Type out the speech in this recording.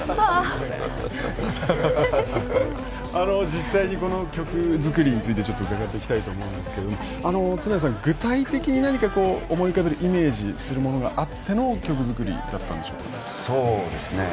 実際にこの曲作りについて伺っていきたいと思いますが常田さん、具体的に何か、思い浮かべるイメージするものがあっての曲作りだったんでしょうか。